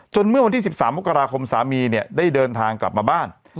เมื่อวันที่๑๓มกราคมสามีเนี่ยได้เดินทางกลับมาบ้าน